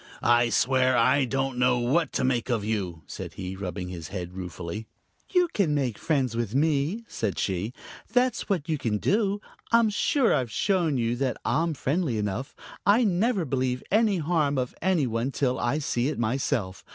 "I swear, I don't know what to make of you," said he, rubbing his head ruefully. "You can make friends with me," said she. "That's what you can do. I'm sure I've shown you that I'm friendly enough. I never believe any harm of any one till I see it myself.